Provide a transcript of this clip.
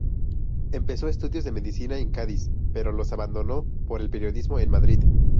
Empezó estudios de medicina en Cádiz, pero los abandonó por el periodismo en Madrid.